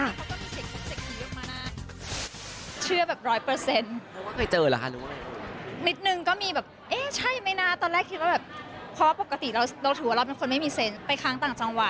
คนลุกเรื่องแบบเนี้ยคุณเคยเจอเหรอดิฉันเชื่อว่ามันมีอยู่จริงอ้าว